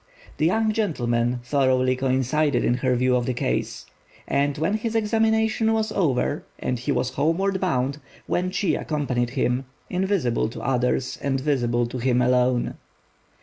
The young gentleman thoroughly coincided in her view of the case; and when his examination was over, and he was homeward bound, Wên chi accompanied him, invisible to others and visible to him alone.